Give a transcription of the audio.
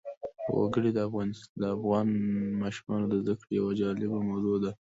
وګړي د افغان ماشومانو د زده کړې یوه جالبه موضوع ده.